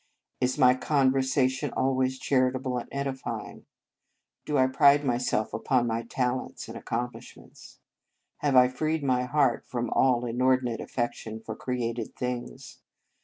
" Is my conversation always char itable and edifying? "" Do I pride myself upon my tal ents and accomplishments ?"" Have I freed my heart from all inordinate affection for created things